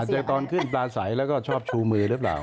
เจอตอนขึ้นปลาใสแล้วก็ชอบชูมือหรือเปล่า